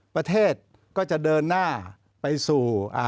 ประเทศก็จะเดินหน้าไปสู่